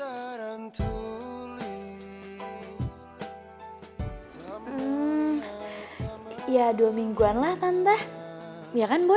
ehm ya dua mingguan lah tante iya kan boy